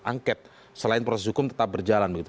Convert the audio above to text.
angket selain proses hukum tetap berjalan begitu